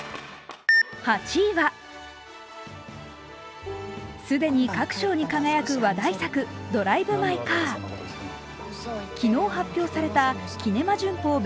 ８位は、既に各賞に輝く話題作「ドライブ・マイ・カー」昨日発表されたキネマ旬報